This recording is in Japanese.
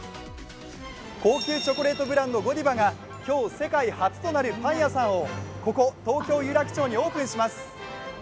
高級チョコレートブランドゴディバが今日、世界初となるパン屋さんをここ東京・有楽町にオープンします。